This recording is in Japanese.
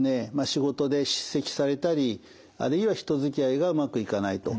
仕事で叱責されたりあるいは人づきあいがうまくいかないと。